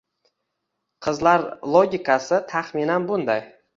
Qizlar logikasi taxminan bunday